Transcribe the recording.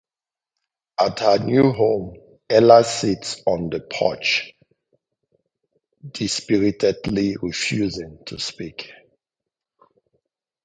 At her new home, Ella sits on the porch, dispiritedly refusing to speak.